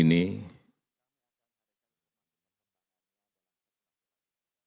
dunia sekarang ini